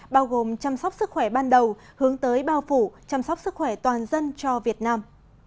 bao gồm chăm sóc sức khỏe ban đầu hướng tới bao phủ chăm sóc sức khỏe toàn dân cho việt nam